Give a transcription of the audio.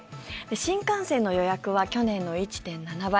新幹線の予約は去年の１．７倍。